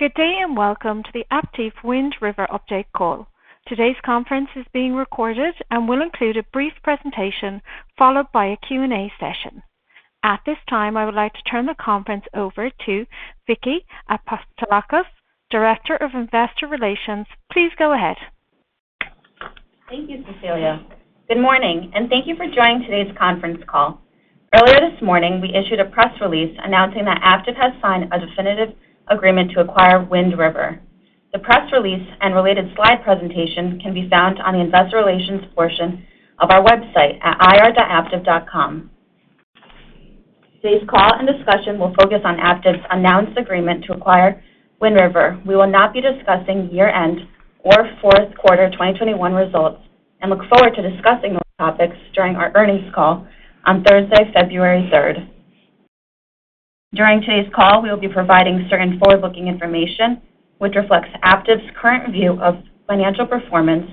Good day, and welcome to the Aptiv Wind River update call. Today's conference is being recorded and will include a brief presentation, followed by a Q&A session. At this time, I would like to turn the conference over to Vicky Apostolakos, Director of Investor Relations. Please go ahead. Thank you, Cecilia. Good morning, and thank you for joining today's conference call. Earlier this morning, we issued a press release announcing that Aptiv has signed a definitive agreement to acquire Wind River. The press release and related slide presentation can be found on the investor relations portion of our website at ir.aptiv.com. Today's call and discussion will focus on Aptiv's announced agreement to acquire Wind River. We will not be discussing year-end or fourth-quarter 2021 results and look forward to discussing those topics during our earnings call on Thursday, February 3rd. During today's call, we will be providing certain forward-looking information which reflects Aptiv's current view of financial performance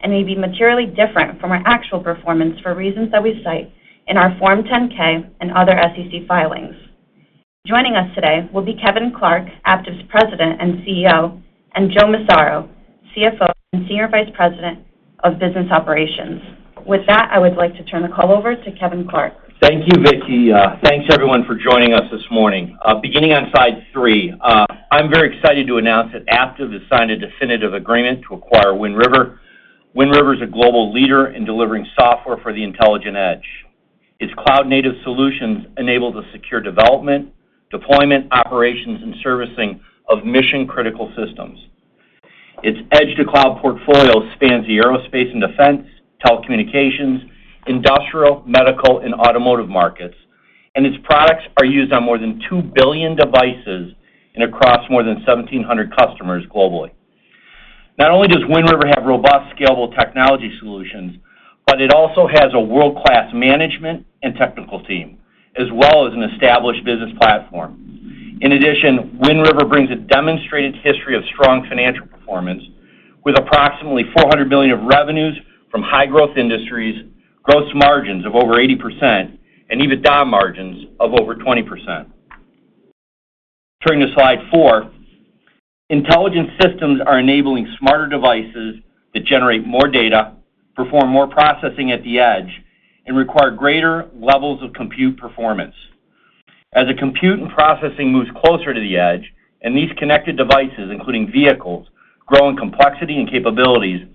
and may be materially different from our actual performance for reasons that we cite in our Form 10-K and other SEC filings. Joining us today will be Kevin Clark, Aptiv's President and CEO, and Joe Massaro, CFO and Senior Vice President of Business Operations. With that, I would like to turn the call over to Kevin Clark. Thank you, Vicky. Thanks everyone for joining us this morning. Beginning on slide three, I'm very excited to announce that Aptiv has signed a definitive agreement to acquire Wind River. Wind River is a global leader in delivering software for the intelligent edge. Its cloud-native solutions enable the secure development, deployment, operations, and servicing of mission-critical systems. Its edge-to-cloud portfolio spans the aerospace and defense, telecommunications, industrial, medical, and automotive markets, and its products are used on more than 2 billion devices and across more than 1,700 customers globally. Not only does Wind River have robust, scalable technology solutions, but it also has a world-class management and technical team, as well as an established business platform. In addition, Wind River brings a demonstrated history of strong financial performance with approximately $400 million of revenues from high-growth industries, gross margins of over 80%, and EBITDA margins of over 20%. Turning to slide four. Intelligent systems are enabling smarter devices that generate more data, perform more processing at the edge, and require greater levels of compute performance. As the compute and processing moves closer to the edge and these connected devices, including vehicles, grow in complexity and capabilities,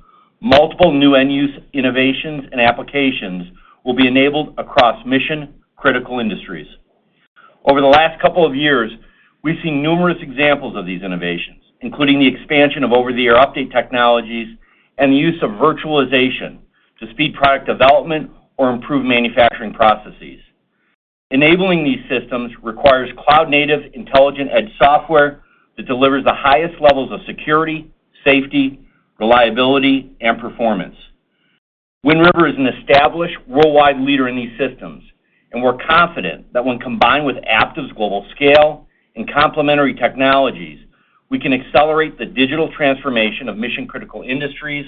multiple new end-use innovations and applications will be enabled across mission-critical industries. Over the last couple of years, we've seen numerous examples of these innovations, including the expansion of over-the-air update technologies and the use of virtualization to speed product development or improve manufacturing processes. Enabling these systems requires cloud-native intelligent edge software that delivers the highest levels of security, safety, reliability, and performance. Wind River is an established worldwide leader in these systems, and we're confident that when combined with Aptiv's global scale and complementary technologies, we can accelerate the digital transformation of mission-critical industries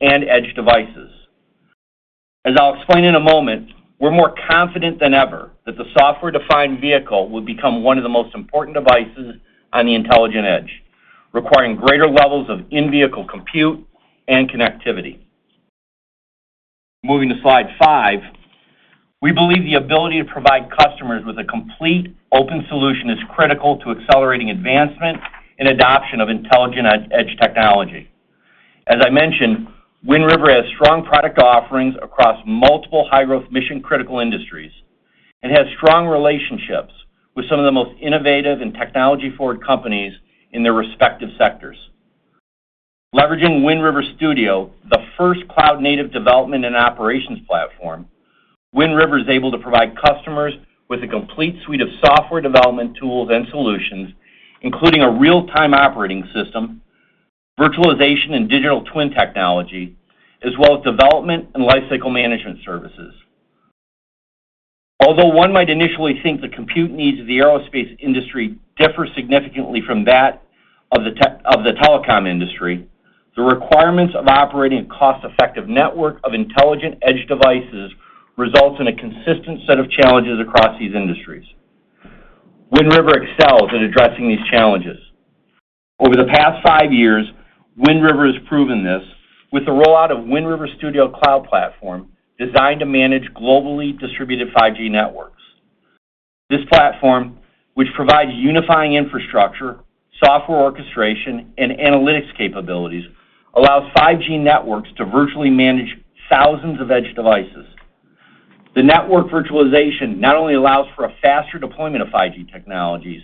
and edge devices. As I'll explain in a moment, we're more confident than ever that the software-defined vehicle will become one of the most important devices on the intelligent edge, requiring greater levels of in-vehicle compute and connectivity. Moving to slide five. We believe the ability to provide customers with a complete open solution is critical to accelerating advancement and adoption of intelligent edge technology. As I mentioned, Wind River has strong product offerings across multiple high-growth mission-critical industries and has strong relationships with some of the most innovative and technology-forward companies in their respective sectors. Leveraging Wind River Studio, the first cloud-native development and operations platform, Wind River is able to provide customers with a complete suite of software development tools and solutions, including a real-time operating system, virtualization and digital twin technology, as well as development and lifecycle management services. Although one might initially think the compute needs of the aerospace industry differ significantly from that of the telecom industry, the requirements of operating a cost-effective network of intelligent edge devices results in a consistent set of challenges across these industries. Wind River excels at addressing these challenges. Over the past five years, Wind River has proven this with the rollout of Wind River Studio cloud platform designed to manage globally distributed 5G networks. This platform, which provides unifying infrastructure, software orchestration, and analytics capabilities, allows 5G networks to virtually manage thousands of edge devices. The network virtualization not only allows for a faster deployment of 5G technologies,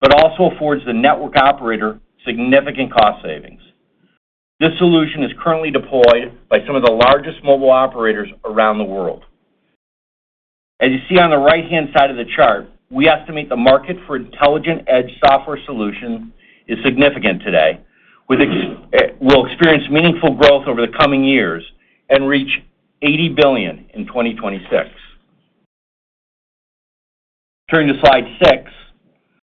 but also affords the network operator significant cost savings. This solution is currently deployed by some of the largest mobile operators around the world. As you see on the right-hand side of the chart, we estimate the market for intelligent edge software solution is significant today and will experience meaningful growth over the coming years and reach $80 billion in 2026. Turning to slide six.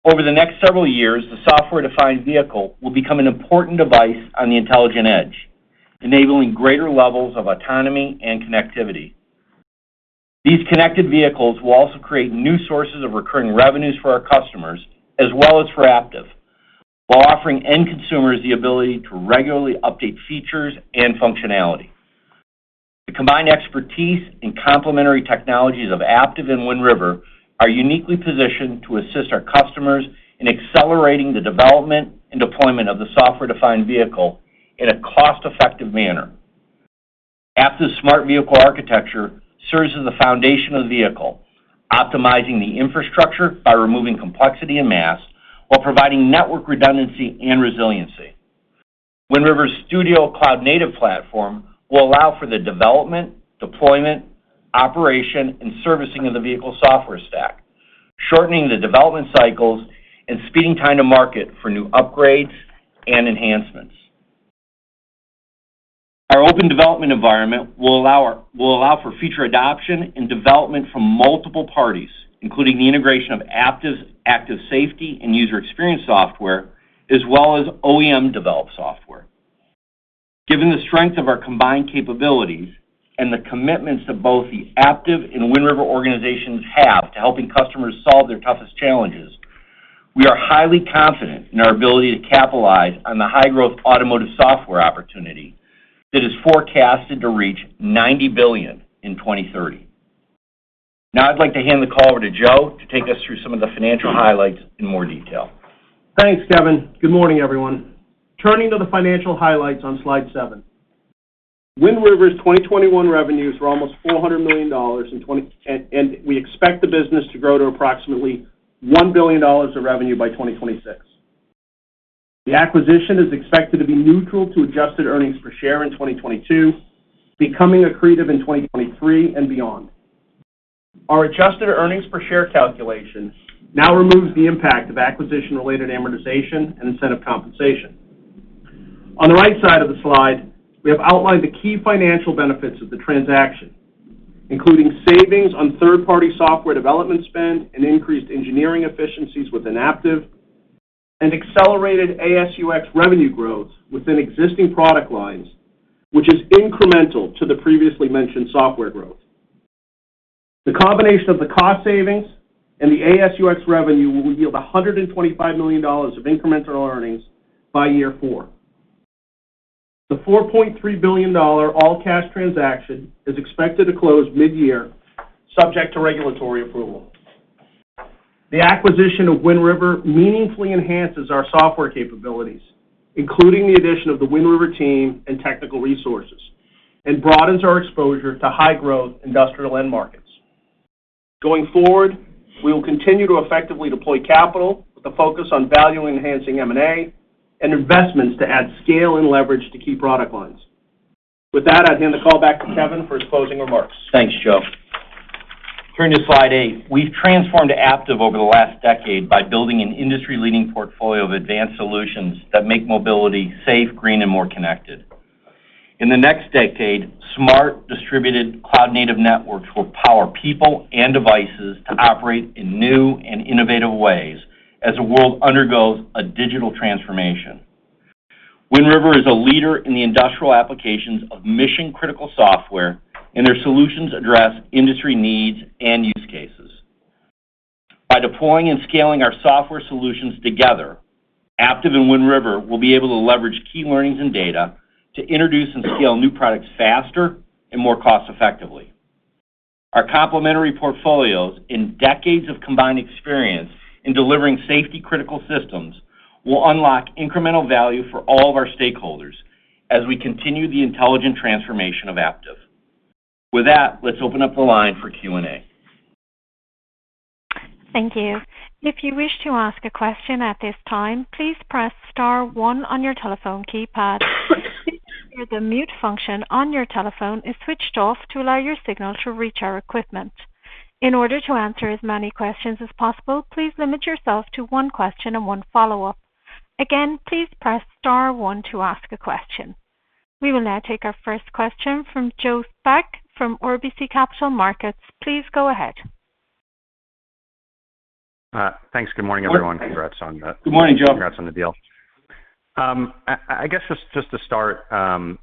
Over the next several years, the software-defined vehicle will become an important device on the intelligent edge, enabling greater levels of autonomy and connectivity. These connected vehicles will also create new sources of recurring revenues for our customers as well as for Aptiv while offering end consumers the ability to regularly update features and functionality. The combined expertise and complementary technologies of Aptiv and Wind River are uniquely positioned to assist our customers in accelerating the development and deployment of the software-defined vehicle in a cost-effective manner. Aptiv's Smart Vehicle Architecture serves as the foundation of the vehicle, optimizing the infrastructure by removing complexity and mass while providing network redundancy and resiliency. Wind River Studio cloud-native platform will allow for the development, deployment, operation, and servicing of the vehicle software stack, shortening the development cycles and speeding time to market for new upgrades and enhancements. Our open development environment will allow for feature adoption and development from multiple parties, including the integration of Aptiv's active safety and user experience software, as well as OEM-developed software. Given the strength of our combined capabilities and the commitments that both the Aptiv and Wind River organizations have to helping customers solve their toughest challenges, we are highly confident in our ability to capitalize on the high-growth automotive software opportunity that is forecasted to reach $90 billion in 2030. Now I'd like to hand the call over to Joe to take us through some of the financial highlights in more detail. Thanks, Kevin. Good morning, everyone. Turning to the financial highlights on slide seven. Wind River's 2021 revenues were almost $400 million, and we expect the business to grow to approximately $1 billion of revenue by 2026. The acquisition is expected to be neutral to adjusted earnings per share in 2022, becoming accretive in 2023 and beyond. Our adjusted earnings per share calculation now removes the impact of acquisition-related amortization and incentive compensation. On the right side of the slide, we have outlined the key financial benefits of the transaction, including savings on third-party software development spend and increased engineering efficiencies within Aptiv and accelerated AS&UX revenue growth within existing product lines, which is incremental to the previously mentioned software growth. The combination of the cost savings and the AS&UX revenue will yield $125 million of incremental earnings by year four. The $4.3 billion all-cash transaction is expected to close mid-year, subject to regulatory approval. The acquisition of Wind River meaningfully enhances our software capabilities, including the addition of the Wind River team and technical resources, and broadens our exposure to high-growth industrial end markets. Going forward, we will continue to effectively deploy capital with a focus on value-enhancing M&A and investments to add scale and leverage to key product lines. With that, I'd hand the call back to Kevin for his closing remarks. Thanks, Joe. Turning to slide eight. We've transformed Aptiv over the last decade by building an industry-leading portfolio of advanced solutions that make mobility safe, green, and more connected. In the next decade, smart, distributed, cloud-native networks will power people and devices to operate in new and innovative ways as the world undergoes a digital transformation. Wind River is a leader in the industrial applications of mission-critical software, and their solutions address industry needs and use cases. By deploying and scaling our software solutions together, Aptiv and Wind River will be able to leverage key learnings and data to introduce and scale new products faster and more cost-effectively. Our complementary portfolios and decades of combined experience in delivering safety-critical systems will unlock incremental value for all of our stakeholders as we continue the intelligent transformation of Aptiv. With that, let's open up the line for Q&A. Thank you. If you wish to ask a question at this time, please press star one on your telephone keypad. Ensure the mute function on your telephone is switched off to allow your signal to reach our equipment. In order to answer as many questions as possible, please limit yourself to one question and one follow-up. Again, please press star one to ask a question. We will now take our first question from Joe Spak from RBC Capital Markets. Please go ahead. Thanks. Good morning, everyone. Good morning, Joe. Congrats on the deal. I guess just to start,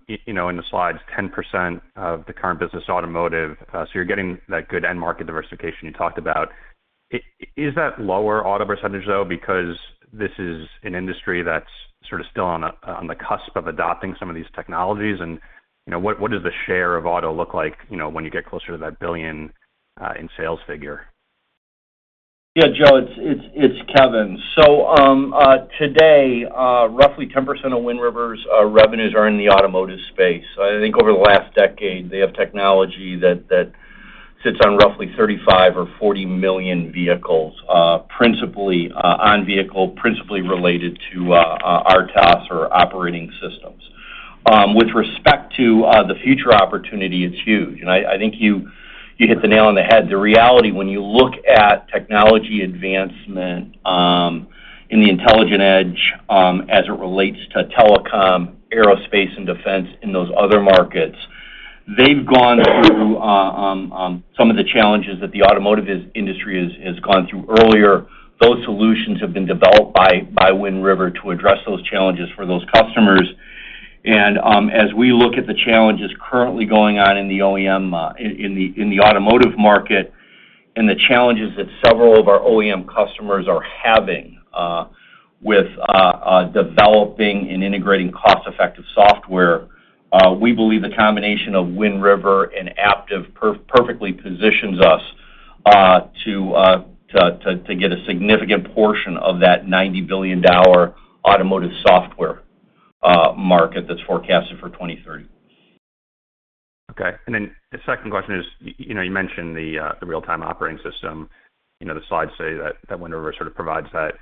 you know, in the slides, 10% of the current business automotive, so you're getting that good end market diversification you talked about. Is that lower auto percentage though because this is an industry that's sort of still on the cusp of adopting some of these technologies and, you know, what does the share of auto look like, you know, when you get closer to that $1 billion in sales figure? Yeah, Joe, it's Kevin. Today, roughly 10% of Wind River's revenues are in the automotive space. I think over the last decade, they have technology that sits on roughly 35 or 40 million vehicles, principally related to RTOS or operating systems. With respect to the future opportunity, it's huge. I think you hit the nail on the head. The reality when you look at technology advancement in the intelligent edge as it relates to telecom, aerospace and defense in those other markets, they've gone through some of the challenges that the automotive industry has gone through earlier. Those solutions have been developed by Wind River to address those challenges for those customers. As we look at the challenges currently going on in the OEM in the automotive market and the challenges that several of our OEM customers are having with developing and integrating cost-effective software, we believe the combination of Wind River and Aptiv perfectly positions us to get a significant portion of that $90 billion automotive software market that's forecasted for 2023. Okay. The second question is, you know, you mentioned the real-time operating system. You know, the slides say that Wind River sort of provides that.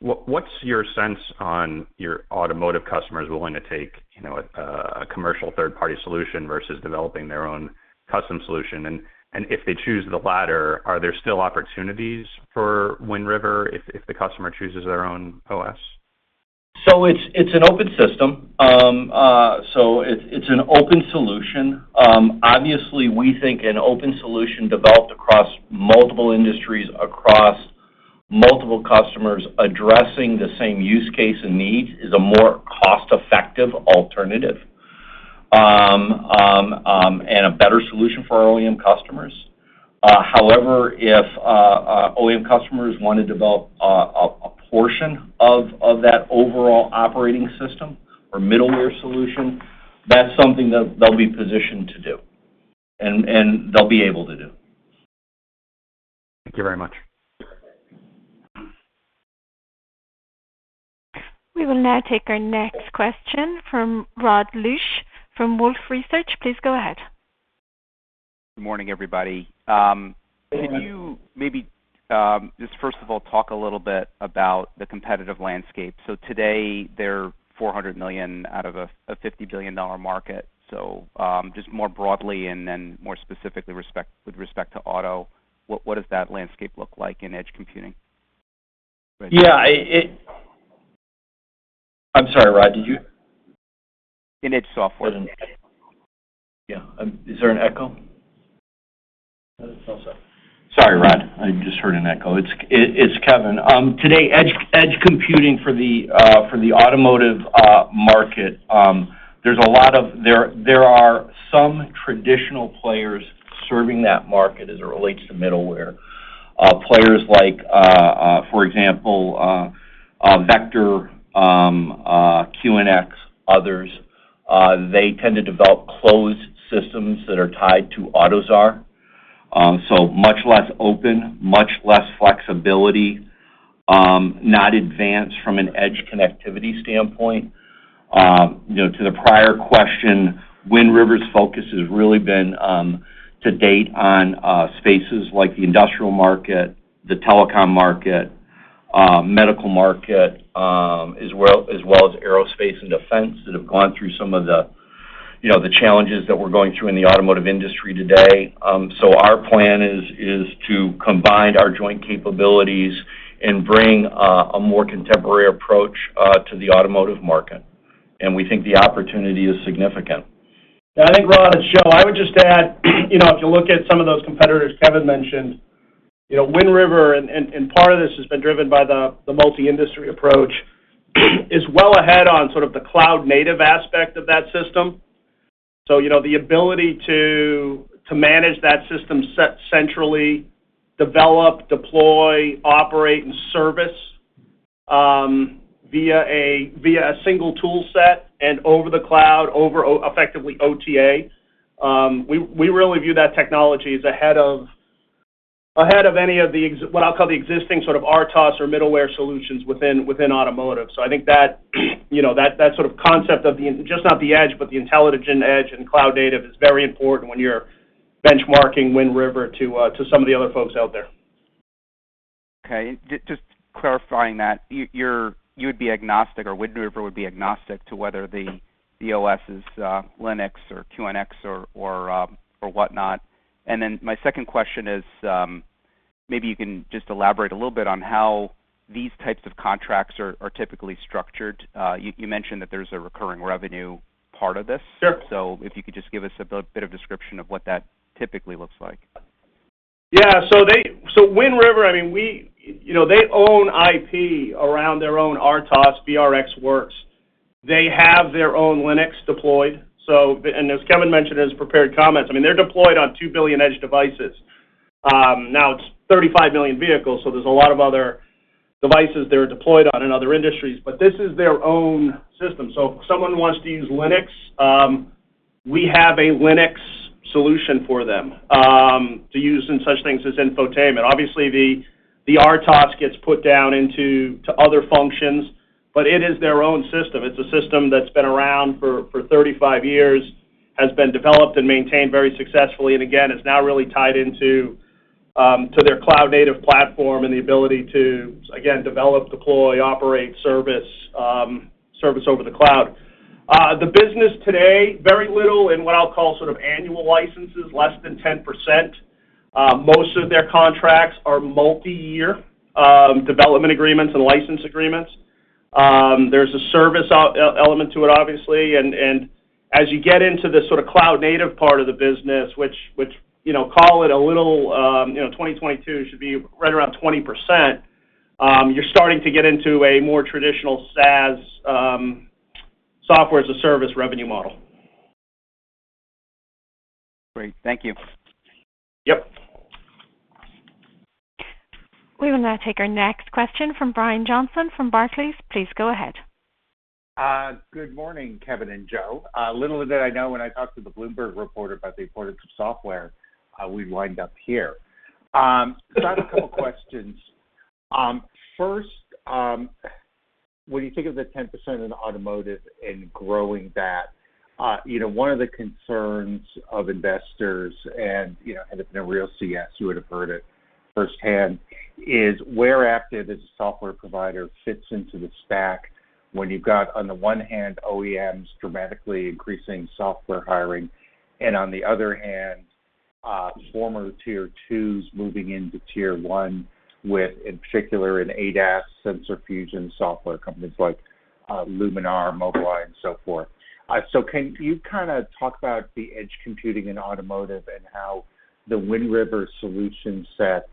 What's your sense on your automotive customers willing to take, you know, a commercial third-party solution versus developing their own custom solution? And if they choose the latter, are there still opportunities for Wind River if the customer chooses their own OS? It's an open system. It's an open solution. Obviously, we think an open solution developed across multiple industries, across multiple customers addressing the same use case and needs is a more cost-effective alternative, and a better solution for our OEM customers. However, if OEM customers wanna develop a portion of that overall operating system or middleware solution, that's something that they'll be positioned to do and they'll be able to do. Thank you very much. We will now take our next question from Rod Lache from Wolfe Research. Please go ahead. Good morning, everybody. Good morning. Can you maybe just first of all talk a little bit about the competitive landscape? Today there are $400 million out of a $50 billion market. Just more broadly and then more specifically with respect to auto, what does that landscape look like in edge computing? Yeah. I'm sorry, Rod, did you? In edge software. Yeah. Is there an echo? No, it's all set. Sorry, Rod. I just heard an echo. It's Kevin. Today, edge computing for the automotive market, there are some traditional players serving that market as it relates to middleware. Players like, for example, Vector, QNX, others, they tend to develop closed systems that are tied to AUTOSAR. So much less open, much less flexibility, not advanced from an edge connectivity standpoint. You know, to the prior question, Wind River's focus has really been, to date on, spaces like the industrial market, the telecom market, medical market, as well as aerospace and defense that have gone through some of the, you know, the challenges that we're going through in the automotive industry today. Our plan is to combine our joint capabilities and bring a more contemporary approach to the automotive market, and we think the opportunity is significant. I think, Rod, it's Joe. I would just add, you know, if you look at some of those competitors Kevin mentioned, you know, Wind River, and part of this has been driven by the multi-industry approach, is well ahead on sort of the cloud-native aspect of that system. You know, the ability to manage that system set centrally, develop, deploy, operate, and service via a single tool set and over the cloud, over effectively OTA. We really view that technology as ahead of any of the what I'll call the existing sort of RTOS or middleware solutions within automotive. I think that, you know, that sort of concept of just not the edge, but the intelligent edge and cloud-native is very important when you're benchmarking Wind River to some of the other folks out there. Okay. Just clarifying that. You would be agnostic or Wind River would be agnostic to whether the OS is Linux or QNX or whatnot. My second question is, maybe you can just elaborate a little bit on how these types of contracts are typically structured? You mentioned that there's a recurring revenue part of this. Sure. If you could just give us a bit of description of what that typically looks like? Yeah. Wind River, I mean, you know, they own IP around their own RTOS, VxWorks. They have their own Linux deployed. As Kevin mentioned in his prepared comments, I mean, they're deployed on 2 billion edge devices. Now it's 35 million vehicles, so there's a lot of other devices they're deployed on in other industries. But this is their own system. If someone wants to use Linux, we have a Linux solution for them to use in such things as infotainment. Obviously, the RTOS gets put down into other functions, but it is their own system. It's a system that's been around for 35 years, has been developed and maintained very successfully. Again, it's now really tied into their cloud-native platform and the ability to, again, develop, deploy, operate, service over the cloud. The business today, very little in what I'll call sort of annual licenses, less than 10%. Most of their contracts are multi-year development agreements and license agreements. There's a service element to it, obviously. As you get into the sort of cloud-native part of the business, which you know call it a little, you know, 2022 should be right around 20%. You're starting to get into a more traditional SaaS, software-as-a-service revenue model. Great. Thank you. Yep. We will now take our next question from Brian Johnson from Barclays. Please go ahead. Good morning, Kevin and Joe. Little did I know when I talked to the Bloomberg reporter about the importance of software, we wind up here. I just have a couple questions. First, when you think of the 10% in automotive and growing that, you know, one of the concerns of investors and, you know, had been a real CS, you would have heard it firsthand, is where Aptiv's software provider fits into the stack when you've got, on the one hand, OEMs dramatically increasing software hiring, and on the other hand, former tier twos moving into tier one with, in particular, an ADAS sensor fusion software companies like, Luminar, Mobileye, and so forth? Can you kinda talk about the edge computing in automotive and how the Wind River solution set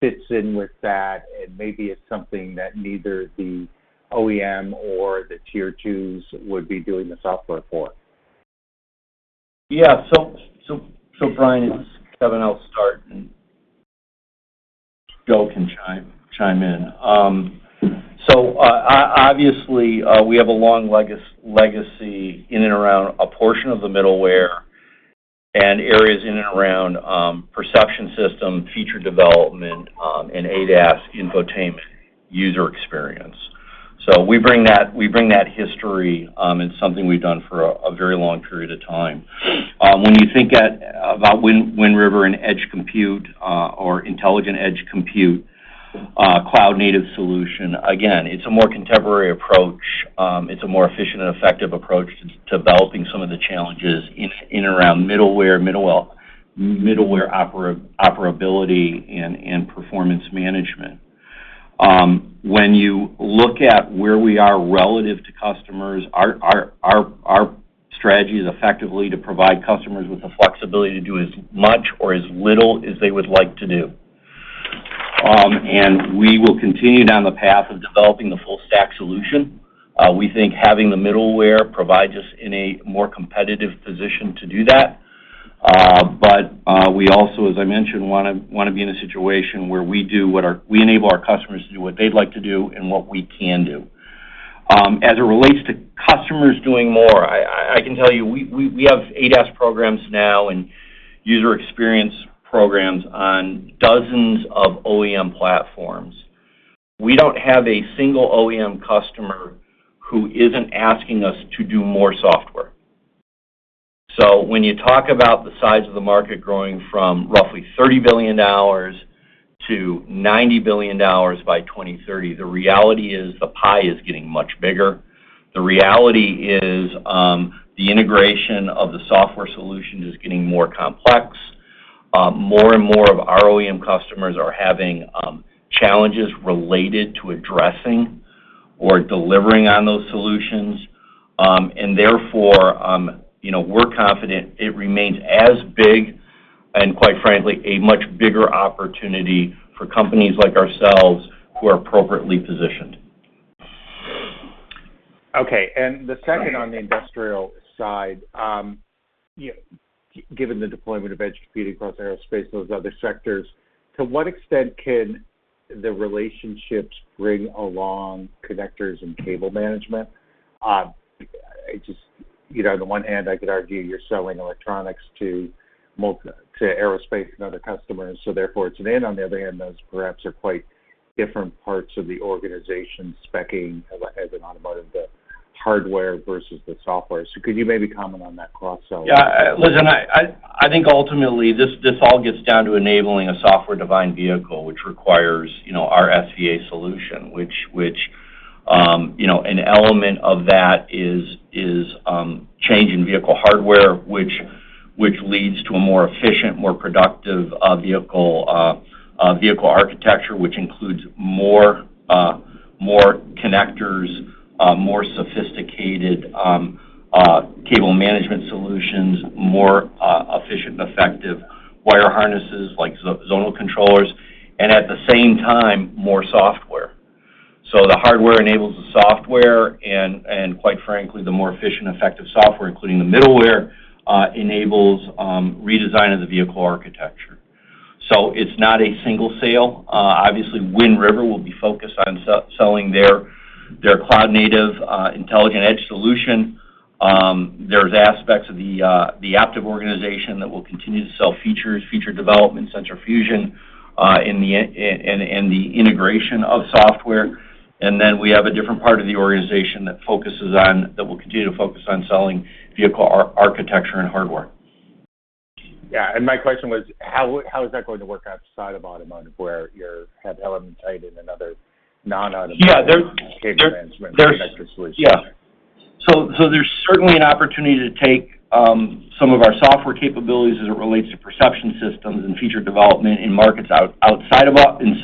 fits in with that, and maybe it's something that neither the OEM or the tier twos would be doing the software for? Yeah, Brian, it's Kevin. I'll start and Joe can chime in. Obviously, we have a long legacy in and around a portion of the middleware and areas in and around perception system, feature development, and ADAS infotainment user experience. We bring that history. It's something we've done for a very long period of time. When you think about Wind River and edge compute or intelligent edge compute, cloud-native solution, again, it's a more contemporary approach. It's a more efficient and effective approach to developing some of the challenges in and around middleware operability and performance management. When you look at where we are relative to customers, our strategy is effectively to provide customers with the flexibility to do as much or as little as they would like to do. We will continue down the path of developing the full stack solution. We think having the middleware provides us in a more competitive position to do that. We also, as I mentioned, wanna be in a situation where we enable our customers to do what they'd like to do and what we can do. As it relates to customers doing more, I can tell you, we have ADAS programs now and user experience programs on dozens of OEM platforms. We don't have a single OEM customer who isn't asking us to do more software. When you talk about the size of the market growing from roughly $30 billion-$90 billion by 2030, the reality is the pie is getting much bigger. The reality is, the integration of the software solution is getting more complex. More and more of our OEM customers are having challenges related to addressing or delivering on those solutions. Therefore, you know, we're confident it remains as big and quite frankly, a much bigger opportunity for companies like ourselves who are appropriately positioned. Okay. The second on the industrial side, given the deployment of edge computing across aerospace and those other sectors, to what extent can the relationships bring along connectors and cable management? I just, you know, on the one hand, I could argue you're selling electronics to aerospace and other customers, so therefore it's an in. On the other hand, those perhaps are quite different parts of the organization speccing as an automotive, the hardware versus the software. Could you maybe comment on that cross-sell? Yeah. Listen, I think ultimately this all gets down to enabling a software-defined vehicle, which requires, you know, our SVA solution, which you know, an element of that is changing vehicle hardware, which leads to a more efficient, more productive vehicle architecture, which includes more connectors, more sophisticated cable management solutions, more efficient and effective wire harnesses like zone controllers, and at the same time, more software. The hardware enables the software and quite frankly, the more efficient effective software, including the middleware, enables redesign of the vehicle architecture. It's not a single sale. Obviously, Wind River will be focused on selling their cloud-native intelligent edge solution. There's aspects of the Aptiv organization that will continue to sell features, feature development, sensor fusion, in the integration of software. We have a different part of the organization that will continue to focus on selling vehicle architecture and hardware. My question was, how is that going to work outside of automotive where you have HellermannTyton in another non-automotive? Yeah. Cable management connector solution? So there's certainly an opportunity to take some of our software capabilities as it relates to perception systems and feature development in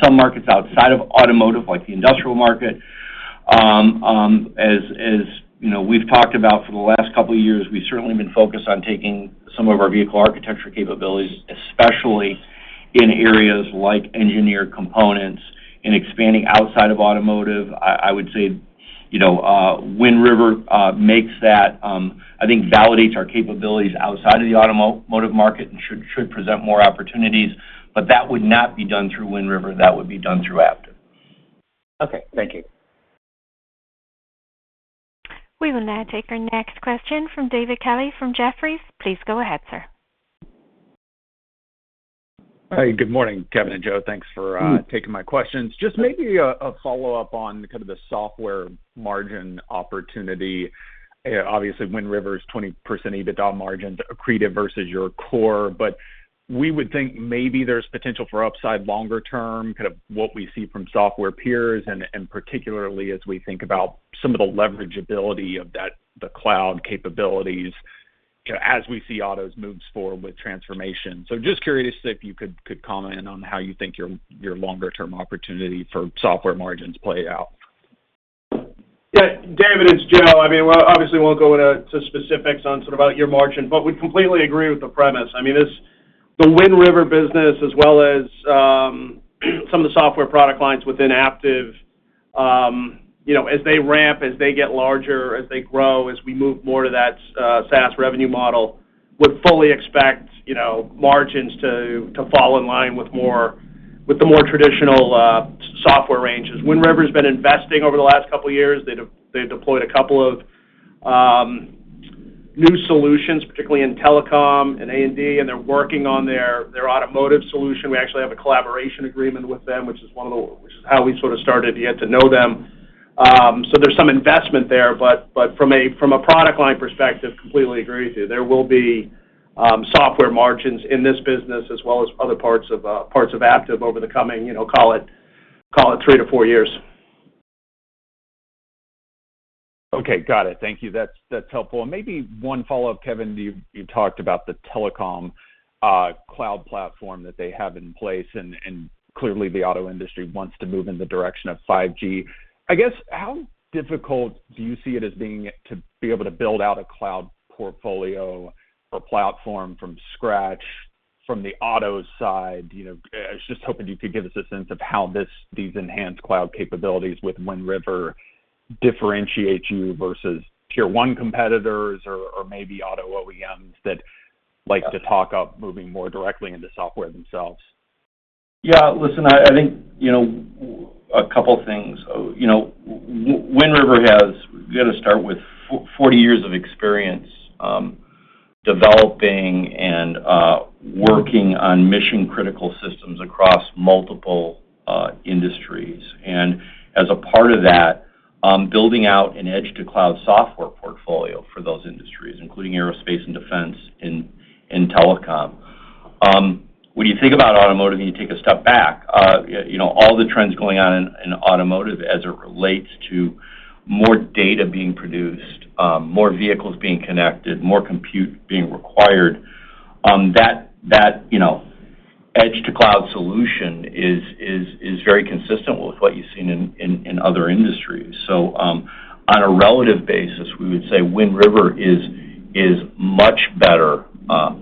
some markets outside of automotive, like the industrial market. As you know, we've talked about for the last couple of years, we've certainly been focused on taking some of our vehicle architecture capabilities, especially in areas like engineered components and expanding outside of automotive. I would say, you know, Wind River makes that validate our capabilities outside of the automotive market and should present more opportunities. That would not be done through Wind River. That would be done through Aptiv. Okay. Thank you. We will now take our next question from David Kelley from Jefferies. Please go ahead, sir. Hi. Good morning, Kevin and Joe. Thanks for- Mm-hmm Thank you for taking my questions. Just maybe a follow-up on kind of the software margin opportunity. Obviously, Wind River's 20% EBITDA margin accretive versus your core. We would think maybe there's potential for upside longer term, kind of what we see from software peers, and particularly as we think about some of the leverageability of that, the cloud capabilities as we see autos moves forward with transformation. Just curious if you could comment on how you think your longer term opportunity for software margins play out? Yeah. David, it's Joe. I mean, we're obviously we won't go into specifics on sort of your margin, but we completely agree with the premise. I mean, this, the Wind River business as well as some of the software product lines within Aptiv, you know, as they ramp, as they get larger, as they grow, as we move more to that SaaS revenue model, would fully expect, you know, margins to fall in line with more, with the more traditional software ranges. Wind River's been investing over the last couple of years. They deployed a couple of new solutions, particularly in telecom and A&D, and they're working on their automotive solution. We actually have a collaboration agreement with them, which is how we sort of started to get to know them. There's some investment there, but from a product line perspective, I completely agree with you. There will be software margins in this business as well as other parts of Aptiv over the coming, you know, call it 3-4 years. Okay. Got it. Thank you. That's helpful. Maybe one follow-up, Kevin. You talked about the telecom cloud platform that they have in place, and clearly the auto industry wants to move in the direction of 5G. I guess, how difficult do you see it as being to be able to build out a cloud portfolio or platform from scratch from the auto side? You know, I was just hoping you could give us a sense of how these enhanced cloud capabilities with Wind River differentiate you versus tier one competitors or maybe auto OEMs that like to talk up moving more directly into software themselves. Yeah. Listen, I think you know a couple of things. You know, Wind River, we got to start with 40 years of experience developing and working on mission-critical systems across multiple industries. As a part of that, building out an edge-to-cloud software portfolio for those industries, including aerospace and defense in telecom. When you think about automotive and you take a step back, you know all the trends going on in automotive as it relates to more data being produced, more vehicles being connected, more compute being required, that you know edge-to-cloud solution is very consistent with what you've seen in other industries. On a relative basis, we would say Wind River is much better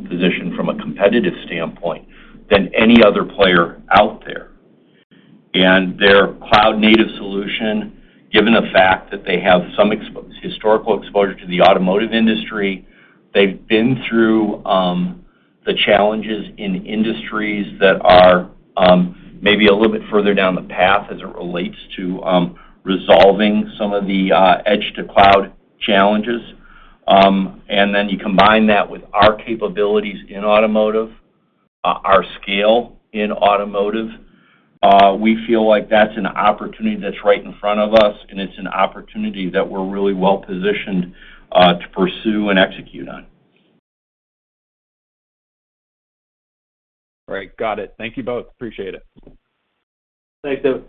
positioned from a competitive standpoint than any other player out there. Their cloud-native solution, given the fact that they have some historical exposure to the automotive industry, they've been through the challenges in industries that are maybe a little bit further down the path as it relates to resolving some of the edge to cloud challenges. You combine that with our capabilities in automotive, our scale in automotive. We feel like that's an opportunity that's right in front of us, and it's an opportunity that we're really well-positioned to pursue and execute on. All right. Got it. Thank you both. Appreciate it. Thanks, David.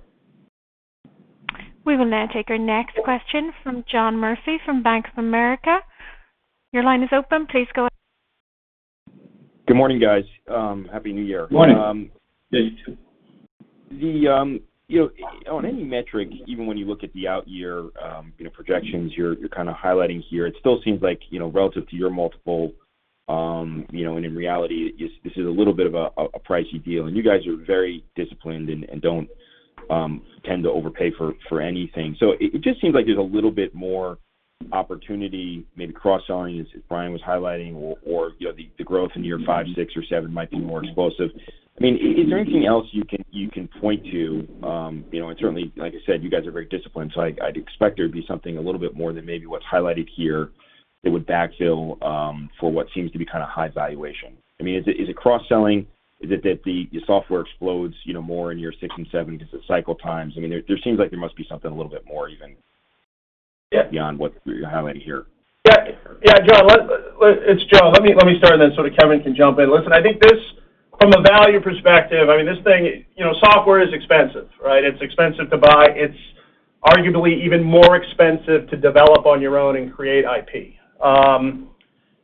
We will now take our next question from John Murphy from Bank of America. Your line is open. Please go- Good morning, guys. Happy New Year. Morning. Yeah, you too. The, you know, on any metric, even when you look at the out year, you know, projections you're kind of highlighting here, it still seems like, you know, relative to your multiple, you know, and in reality, this is a little bit of a pricey deal. You guys are very disciplined and don't tend to overpay for anything. It just seems like there's a little bit more opportunity, maybe cross-selling as Brian was highlighting or, you know, the growth in year five, six or seven might be more explosive. I mean, is there anything else you can point to, you know, and certainly, like I said, you guys are very disciplined, so I'd expect there'd be something a little bit more than maybe what's highlighted here that would backfill for what seems to be kind of high valuation? I mean, is it cross-selling? Is it that the software explodes, you know, more in year six and seven because of cycle times? I mean, there seems like there must be something a little bit more even. Yeah Beyond what you're highlighting here. Yeah. Yeah. John, it's Joe. Let me start and then sort of Kevin can jump in. Listen, I think this from a value perspective, I mean, this thing, you know, software is expensive, right? It's expensive to buy. It's arguably even more expensive to develop on your own and create IP.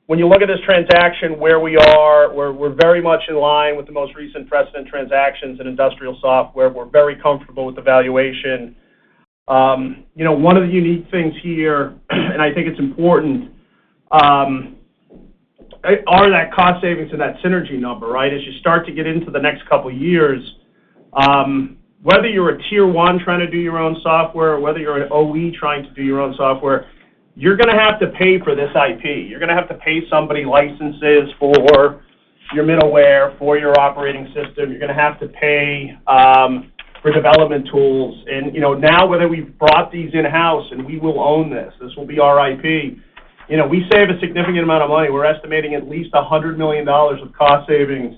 When you look at this transaction, where we are, we're very much in line with the most recent precedent transactions in industrial software. We're very comfortable with the valuation. You know, one of the unique things here, and I think it's important, are that cost savings to that synergy number, right? As you start to get into the next couple years, whether you're a tier one trying to do your own software or whether you're an OE trying to do your own software, you're gonna have to pay for this IP. You're gonna have to pay somebody licenses for your middleware, for your operating system. You're gonna have to pay for development tools and, you know, now whether we've brought these in-house and we will own this will be our IP. You know, we save a significant amount of money. We're estimating at least $100 million of cost savings,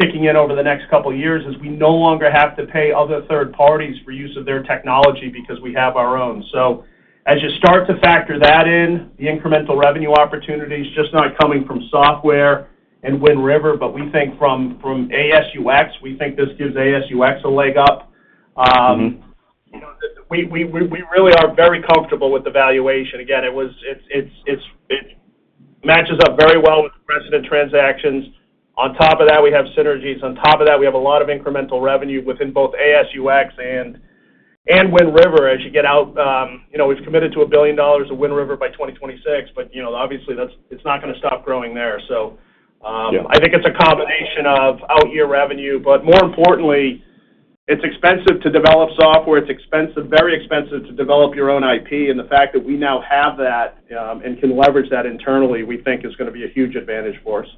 kicking in over the next couple of years as we no longer have to pay other third parties for use of their technology because we have our own. As you start to factor that in, the incremental revenue opportunities just not coming from software and Wind River, but we think from AS&UX, we think this gives AS&UX a leg up. Mm-hmm. You know, we really are very comfortable with the valuation. Again, it matches up very well with the precedent transactions. On top of that, we have synergies. On top of that, we have a lot of incremental revenue within both AS&UX and Wind River. As you get out, you know, we've committed to $1 billion of Wind River by 2026, but you know, obviously it's not gonna stop growing there. Yeah. I think it's a combination of out-year revenue, but more importantly, it's expensive to develop software. It's expensive, very expensive to develop your own IP, and the fact that we now have that and can leverage that internally, we think is gonna be a huge advantage for us.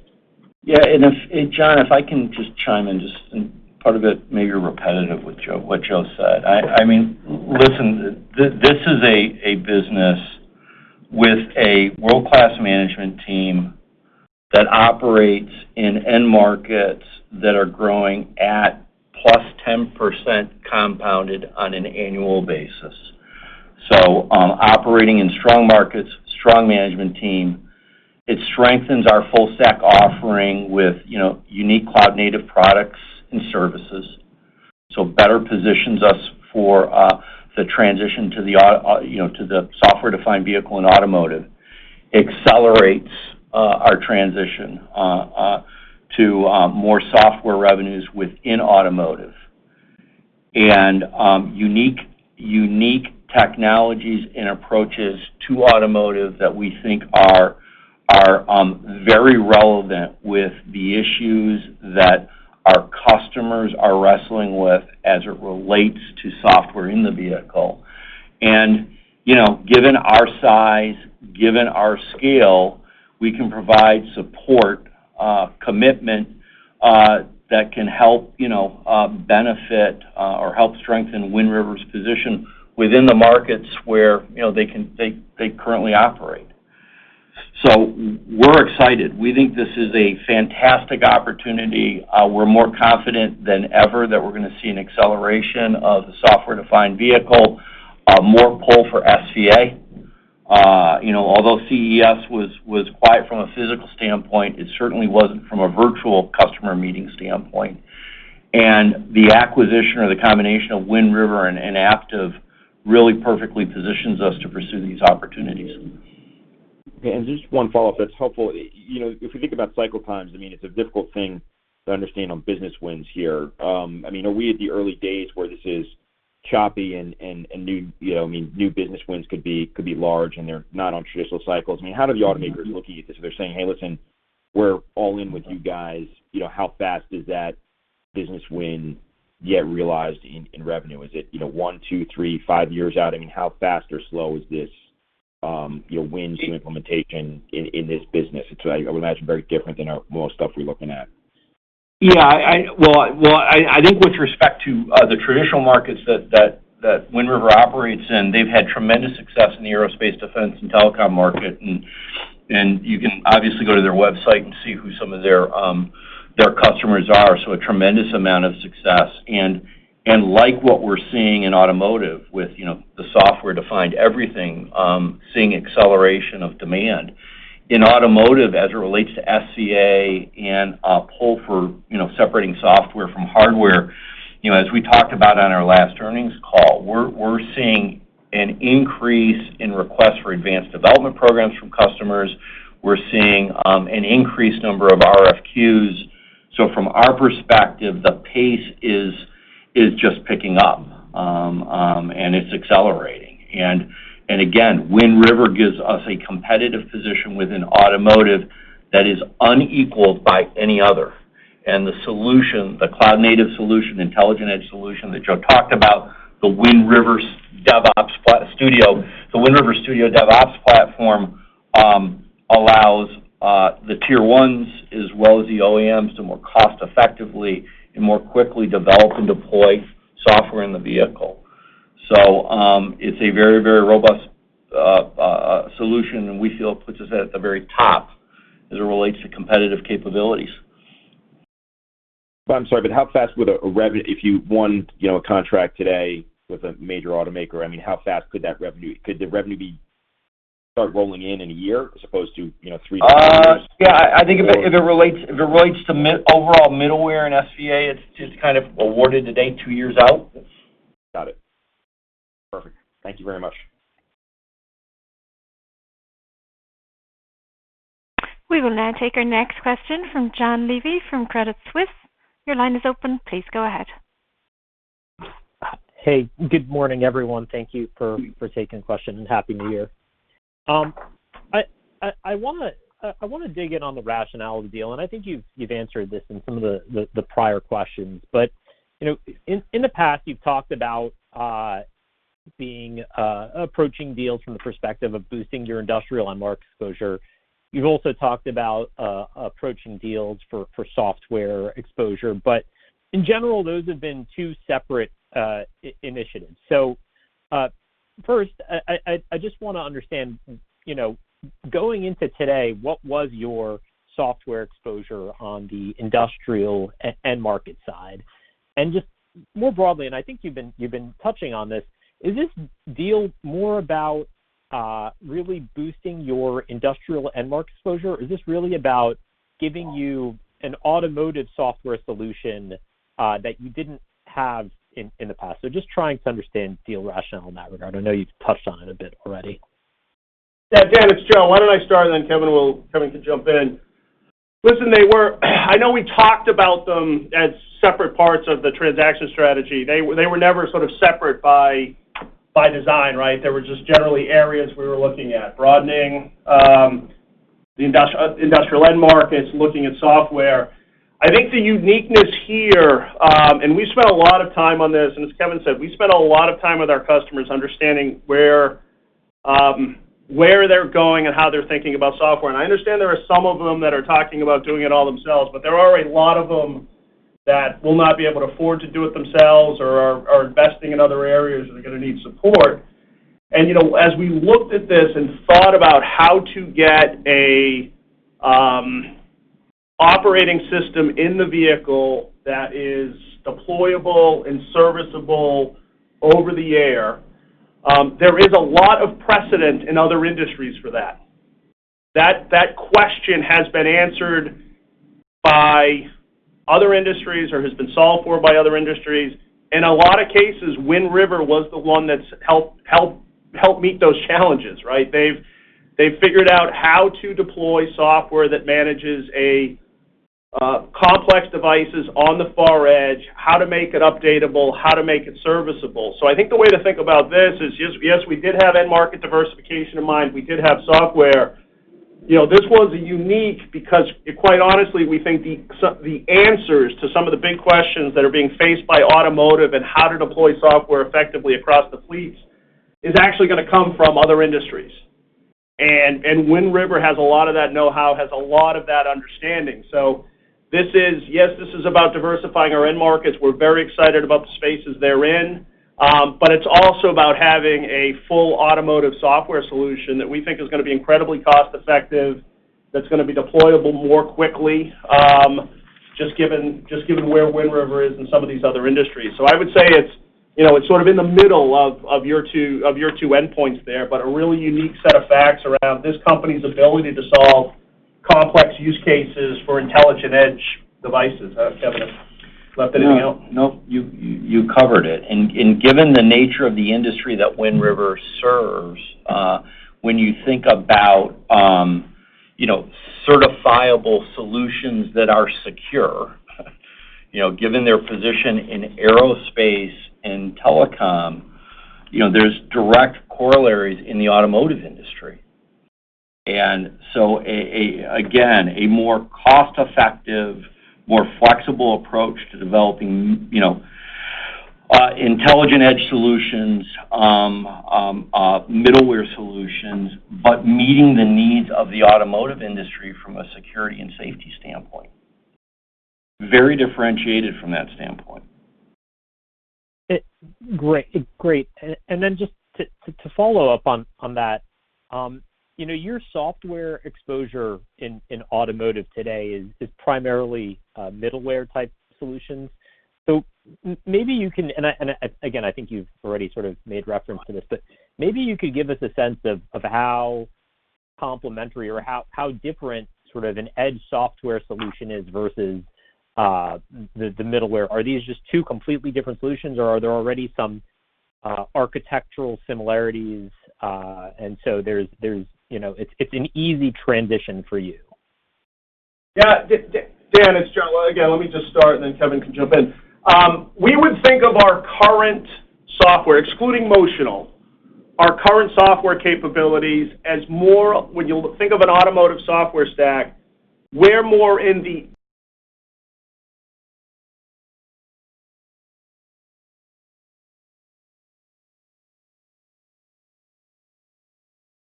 Yeah. If John, if I can just chime in, and part of it may be repetitive what Joe said. I mean, listen, this is a business with a world-class management team that operates in end markets that are growing at plus 10% compounded on an annual basis. Operating in strong markets, strong management team, it strengthens our full stack offering with, you know, unique cloud-native products and services, better positions us for the transition to you know, to the software-defined vehicle and automotive. Accelerates our transition to more software revenues within automotive. Unique technologies and approaches to automotive that we think are very relevant with the issues that our customers are wrestling with as it relates to software in the vehicle. You know, given our size, given our scale, we can provide support, commitment, that can help, you know, benefit or help strengthen Wind River's position within the markets where, you know, they currently operate. We're excited. We think this is a fantastic opportunity. We're more confident than ever that we're gonna see an acceleration of the software-defined vehicle, more pull for SVA. You know, although CES was quiet from a physical standpoint, it certainly wasn't from a virtual customer meeting standpoint. The acquisition or the combination of Wind River and Aptiv really perfectly positions us to pursue these opportunities. Okay. Just one follow-up that's helpful. You know, if we think about cycle times, I mean, it's a difficult thing to understand on business wins here. I mean, are we at the early days where this is choppy and new, you know what I mean, new business wins could be large, and they're not on traditional cycles? I mean, how do the automakers look at this? If they're saying, "Hey, listen, we're all in with you guys," you know, how fast is that business win yet realized in revenue? Is it, you know, one, two, three, five years out? I mean, how fast or slow is this, you know, win to implementation in this business? It's, I would imagine, very different than most stuff we're looking at. Yeah. Well, I think with respect to the traditional markets that Wind River operates in, they've had tremendous success in the aerospace and defense and telecom market. You can obviously go to their website and see who some of their customers are, so a tremendous amount of success. Like what we're seeing in automotive with you know the software-defined everything seeing acceleration of demand. In automotive as it relates to SVA and pull for you know separating software from hardware you know as we talked about on our last earnings call, we're seeing an increase in requests for advanced development programs from customers. We're seeing an increased number of RFQs. From our perspective, the pace is just picking up and it's accelerating. Again, Wind River gives us a competitive position within automotive that is unequaled by any other. The solution, the cloud-native solution, intelligent edge solution that Joe talked about, the Wind River Studio DevOps platform, allows the tier ones as well as the OEMs to more cost effectively and more quickly develop and deploy software in the vehicle. It's a very robust solution and we feel it puts us at the very top as it relates to competitive capabilities. I'm sorry, but how fast would a revenue if you won, you know, a contract today with a major automaker, I mean, how fast could that revenue start rolling in in a year as opposed to, you know, 3-5 years? Yeah. I think if it relates to overall middleware and SCA, it's just kind of awarded today, two years out. Got it. Thank you very much. We will now take our next question from Dan Levy from Credit Suisse. Your line is open. Please go ahead. Hey, good morning, everyone. Thank you for taking the question, and Happy New Year. I wanna dig in on the rationale of the deal, and I think you've answered this in some of the prior questions. You know, in the past, you've talked about approaching deals from the perspective of boosting your industrial end market exposure. You've also talked about approaching deals for software exposure. In general, those have been two separate initiatives. First, I just wanna understand, you know, going into today, what was your software exposure on the industrial end market side? Just more broadly, and I think you've been touching on this, is this deal more about really boosting your industrial end market exposure? Is this really about giving you an automotive software solution, that you didn't have in the past? Just trying to understand deal rationale in that regard. I know you've touched on it a bit already. Yeah. Dan, it's Joe. Why don't I start, and then Kevin can jump in. Listen, I know we talked about them as separate parts of the transaction strategy. They were never sort of separate by design, right? They were just generally areas we were looking at, broadening the industrial end markets, looking at software. I think the uniqueness here, and we spent a lot of time on this, and as Kevin said, we spent a lot of time with our customers understanding where they're going and how they're thinking about software. I understand there are some of them that are talking about doing it all themselves, but there are a lot of them that will not be able to afford to do it themselves or are investing in other areas and are gonna need support. You know, as we looked at this and thought about how to get a operating system in the vehicle that is deployable and serviceable over the air, there is a lot of precedent in other industries for that. That question has been answered by other industries or has been solved for by other industries. In a lot of cases, Wind River was the one that's helped meet those challenges, right? They've figured out how to deploy software that manages a complex devices on the far edge, how to make it updatable, how to make it serviceable. I think the way to think about this is yes, we did have end market diversification in mind, we did have software. You know, this was unique because quite honestly, we think the answers to some of the big questions that are being faced by automotive and how to deploy software effectively across the fleets is actually gonna come from other industries. Wind River has a lot of that know-how, has a lot of that understanding. This is, yes, this is about diversifying our end markets. We're very excited about the spaces they're in, but it's also about having a full automotive software solution that we think is gonna be incredibly cost-effective, that's gonna be deployable more quickly, just given where Wind River is in some of these other industries. I would say it's, you know, it's sort of in the middle of your two endpoints there, but a really unique set of facts around this company's ability to solve complex use cases for intelligent edge devices. Kevin, is there anything else? No. Nope. You covered it. Given the nature of the industry that Wind River serves, when you think about, you know, certifiable solutions that are secure, you know, given their position in aerospace and telecom, you know, there's direct corollaries in the automotive industry. Again, a more cost-effective, more flexible approach to developing, you know, intelligent edge solutions, middleware solutions, but meeting the needs of the automotive industry from a security and safety standpoint. Very differentiated from that standpoint. Great. Just to follow up on that, you know, your software exposure in automotive today is primarily middleware-type solutions. Maybe you can. Again, I think you've already sort of made reference to this, but maybe you could give us a sense of how complementary or how different sort of an edge software solution is versus the middleware. Are these just two completely different solutions, or are there already some architectural similarities, and so there's you know, it's an easy transition for you? Yeah. Dan, it's Joe. Again, let me just start, and then Kevin can jump in. We would think of our current software, excluding Motional, our current software capabilities as more when you think of an automotive software stack. We're more in the-